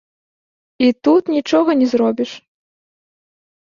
І тут нічога не зробіш.